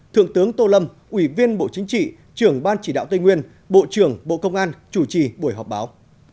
thượng tướng tô lâm ủy viên bộ chính trị trưởng ban chỉ đạo tây nguyên bộ trưởng bộ công an chủ trì buổi họp báo